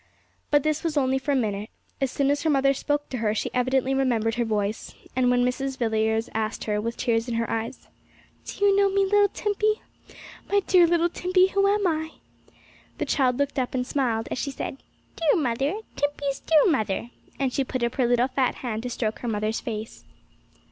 But this was only for a minute. As soon as her mother spoke to her she evidently remembered her voice, and when Mrs. Villiers asked her, with tears in her eyes, 'Do you know me, little Timpey? My dear little Timpey, who am I?' the child looked up, and smiled, as she said, 'Dear mother Timpey's dear mother!' and she put up her little fat hand to stroke her mother's face.